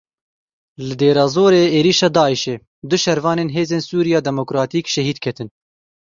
Li Dêrazorê êrişa Daişê du şervanên Hêzên Sûriya Demokratîk şehîd ketin.